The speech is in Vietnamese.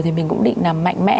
thì mình cũng định làm mạnh mẽ